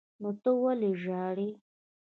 نو ته ولې ژاړې.